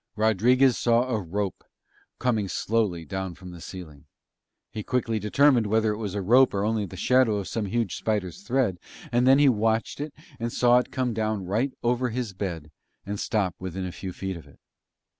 Rodriguez saw a rope coming slowly down from the ceiling, he quickly determined whether it was a rope or only the shadow of some huge spider's thread, and then he watched it and saw it come down right over his bed and stop within a few feet of it.